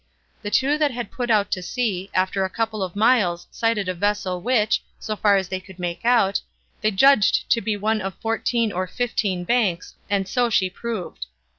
The two that had put out to sea, after a couple of miles sighted a vessel which, so far as they could make out, they judged to be one of fourteen or fifteen banks, and so she proved.